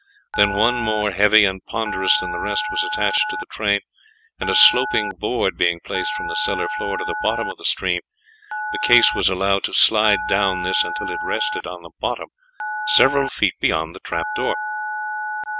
Then one more heavy and ponderous than the rest was attached to the train, and a sloping board being placed from the cellar floor to the bottom of the stream, the case was allowed to slide down this until it rested on the bottom several feet beyond the trap door.